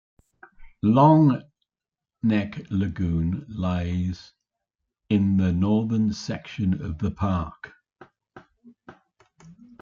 Longneck Lagoon lies in the northern section of the park.